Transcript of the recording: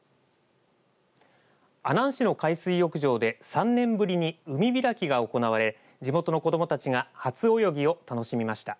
阿南市の海水浴場で３年ぶりに海開きが行われ地元の子どもたちが初泳ぎを楽しみました。